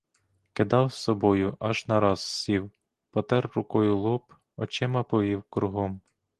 Кидав собою, аж нараз сів, потер рукою лоб, очима повів кругом.